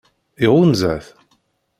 Iɣunza-t?